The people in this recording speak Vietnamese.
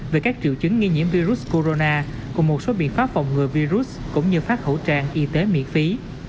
về các triệu chứng nghi nhiễm virus corona cùng một số biện pháp phòng ngừa virus cũng như phát khẩu trang y tế miễn phí